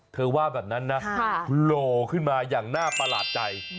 ว่าแบบนั้นนะโหลขึ้นมาอย่างน่าประหลาดใจ